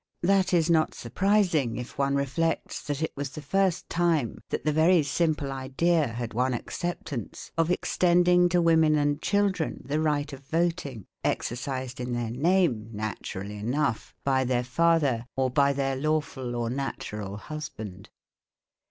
That is not surprising if one reflects that it was the first time that the very simple idea had won acceptance of extending to women and children the right of voting exercised in their name, naturally enough, by their father or by their lawful or natural husband.